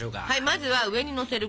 まずは上にのせる